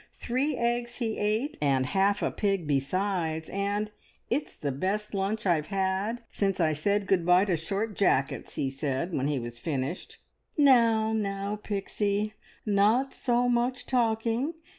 Three eggs he ate, and half a pig besides, and `It's the best lunch I've had since I said good bye to short jackets,' he said when he was finished." "Now, now, Pixie, not so much talking!